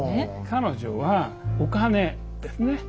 彼女はお金ですね